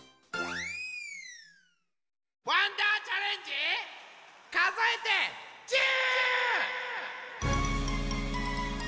「わんだーチャレンジかぞえて１０」！